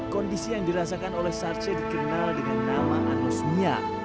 kondisi yang dirasakan oleh sarche dikenal dengan nalangan osmia